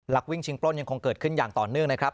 วิ่งชิงปล้นยังคงเกิดขึ้นอย่างต่อเนื่องนะครับ